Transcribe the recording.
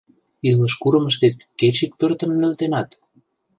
Илыш курымыштет кеч ик пӧртым нӧлтенат?